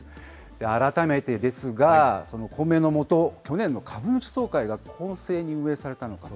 改めてですが、その混迷のもと、去年の株主総会が公正に運営されたのか。